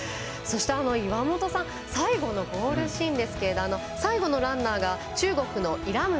そして岩本さん最後のゴールシーンですが最後のランナーが中国の依拉